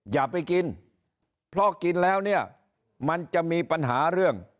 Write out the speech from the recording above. อย่าไปกินเพราะกินแล้วเนี่ยมันจะมีปัญหาเรื่อง